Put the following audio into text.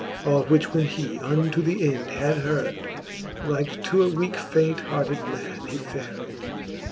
All which when he unto the end had heard, Like to a weake faint hearted man he fared.